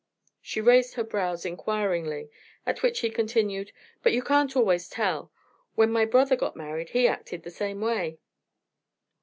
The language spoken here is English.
She raised her brows inquiringly, at which he continued: "But you can't always tell; when my brother got married he acted the same way."